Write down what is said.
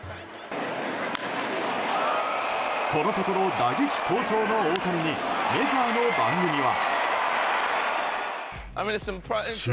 このところ打撃好調の大谷にメジャーの番組は。